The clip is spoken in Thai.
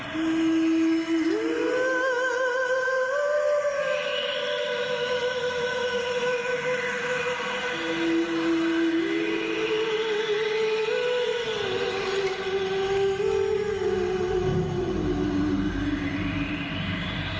จังหวัดสกลนครชมด้วยตาท่านเองกลางโรงพยาบาลแห่งหนึ่ง